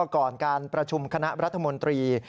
ก่อนการประชุมคณะรัฐมนตรี